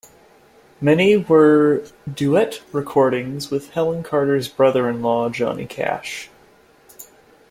Many were duet recordings with Helen Carter's brother-in-law Johnny Cash.